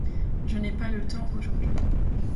Je n’ai pas le temps aujourd’hui.